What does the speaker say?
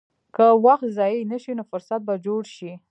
که وخت ضایع نه شي، نو فرصت به جوړ شي.